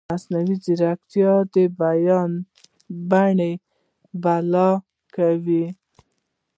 مصنوعي ځیرکتیا د بیان بڼه بدله کوي.